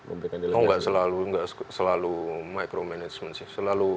oh enggak selalu selalu mikro manajemen sih